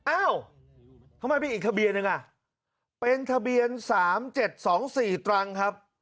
อ้าวทำไมมีอีกทะเบียนนึงอ่ะเป็นทะเบียน๓๗๒๔ตรังครับ